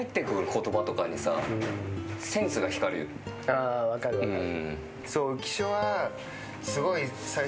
あ分かる分かる。